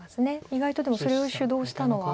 意外とでもそれを主導したのは。